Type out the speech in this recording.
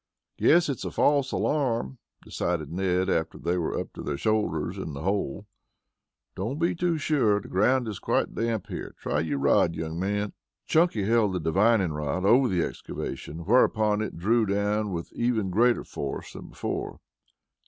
"Guess it's a false alarm," decided Ned, after they were up to their shoulders in the hole. "Don't be too sure. The ground is quite damp here. Try your rod, young man." "Chunky held the divining rod over the excavation, whereupon it drew down with even greater force than before.